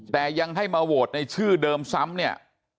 แต่ยังให้มาโหวตในชื่อเดิมซ้ำเนี่ย